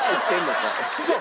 そう。